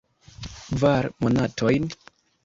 Kvar monatojn?